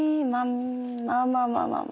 まあまあまあまあ。